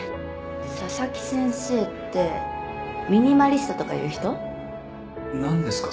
佐々木先生ってミニマリストとかいう人？なんですか？